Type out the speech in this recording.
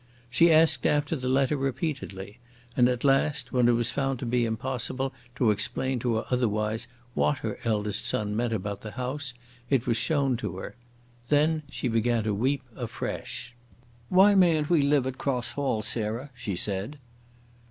She asked after the letter repeatedly; and at last, when it was found to be impossible to explain to her otherwise what her eldest son meant about the houses, it was shown to her. Then she began to weep afresh. "Why mayn't we live at Cross Hall, Sarah?" she said.